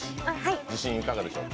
自信、いかがでしょう？